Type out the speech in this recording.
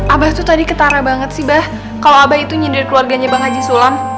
abah tuh tadi ketara banget sih bah kalau abah itu nyindir keluarganya bang haji sulam